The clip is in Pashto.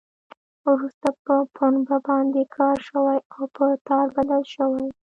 وروسته په پنبه باندې کار شوی او په تار بدل شوی.